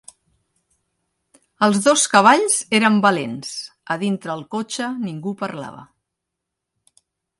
Els dos cavalls eren valents: a dintre 'l cotxe ningú parlava